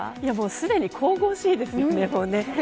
すでに神々しいですよね。